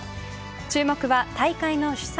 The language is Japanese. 注目は大会の主催